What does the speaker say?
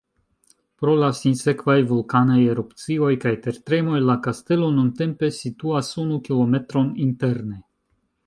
Pro la sinsekvaj vulkanaj erupcioj kaj tertremoj, la kastelo nuntempe situas unu kilometron interne.